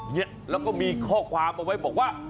เนี่ยแล้วก็มีข้อความเอาไว้บอกว่า